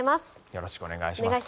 よろしくお願いします。